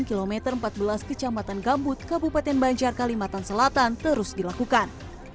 kilometer empat belas kecamatan gambut kabupaten banjar kalimantan selatan terus dilakukan